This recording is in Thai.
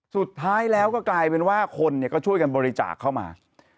สุดท้ายแล้วก็กลายเป็นว่าคนก็ช่วยกันบริจาคเข้ามา